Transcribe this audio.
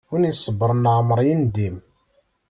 Win isebṛen leεmeṛ yendim.